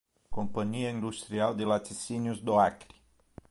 Companhia Industrial de Laticínios do Acre